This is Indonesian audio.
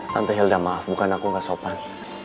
tante helda maaf bukan aku gak sopan